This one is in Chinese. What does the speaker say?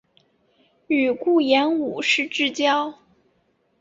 与顾炎武是至交。